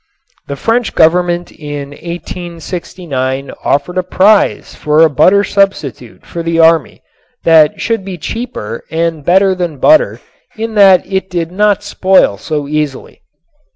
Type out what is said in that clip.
The French Government in 1869 offered a prize for a butter substitute for the army that should be cheaper and better than butter in that it did not spoil so easily.